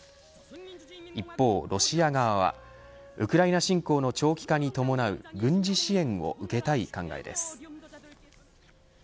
一方、ロシア側はウクライナ侵攻の長期化に伴う軍事支援を受けたい考えです。